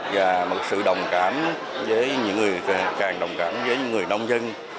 và sự đồng cảm với những người nông dân